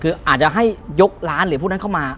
คืออาจจะให้ยกร้านหรือพวกนั้นเข้ามา